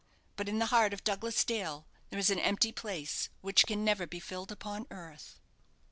But in the heart of Douglas Dale there is an empty place which can never be filled upon earth.